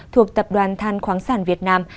thuộc tập đoàn than khoáng sản việt nam